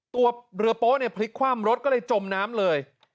ตัวเรือโป๊ะเนี่ยพลิกคว่ำรถก็เลยจมน้ำเลย